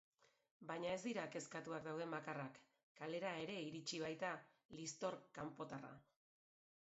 Baina ez dira kezkatuak dauden bakarrak, kalera ere iritsi baita liztor kanpotarra.